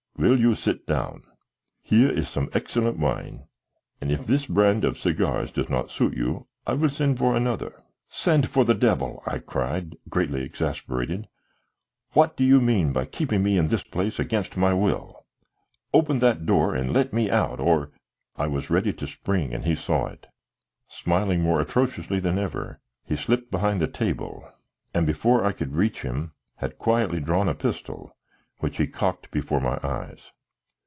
Will you sit down? Here is some excellent wine, and if this brand of cigars does not suit you, I will send for another." "Send for the devil!" I cried, greatly exasperated. "What do you mean by keeping me in this place against my will? Open that door and let me out, or " I was ready to spring and he saw it. Smiling more atrociously than ever, he slipped behind the table, and before I could reach him, had quietly drawn a pistol, which he cocked before my eyes.